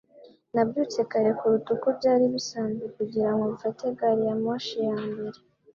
Nabyutse kare kuruta uko byari bisanzwe kugira ngo mfate gari ya moshi ya mbere.